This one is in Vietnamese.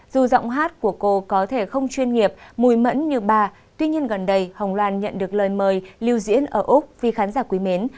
dù giọng hát của cô có thể không chuyên nghiệp mùi mẫn như bà tuy nhiên gần đây hồng loan nhận được lời mời lưu diễn ở úc vì khán giả quý mến